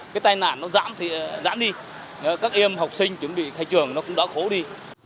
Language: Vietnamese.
cái tai nạn nó giảm thì giảm đi các em học sinh chuẩn bị thay trường nó cũng đã khổ đi